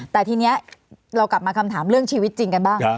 แต่ทีนี้เรากลับมาคำถามเรื่องชีวิตจริงกันบ้าง